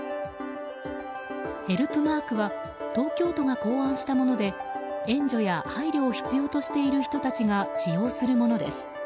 ヘルプマークは東京都が考案したもので援助や配慮を必要としている人たちが使用するものです。